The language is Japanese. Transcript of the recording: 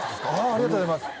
ありがとうございます